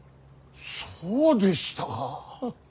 そうでしたか。